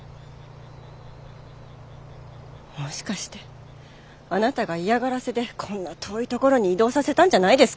もしかしてあなたが嫌がらせでこんな遠い所に移動させたんじゃないですか？